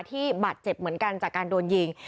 ที่บาดเจ็บเหมือนกันจากการโดนยิง